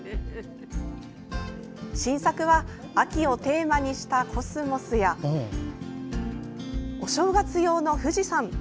新作は、秋をテーマにしたコスモスやお正月用の富士山。